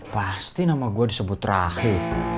pasti nama gue disebut rahim